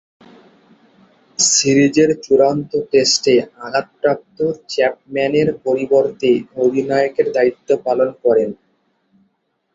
সিরিজের চূড়ান্ত টেস্টে আঘাতপ্রাপ্ত চ্যাপম্যানের পরিবর্তে অধিনায়কের দায়িত্ব পালন করেন।